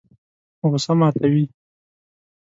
غوسه ماتوي.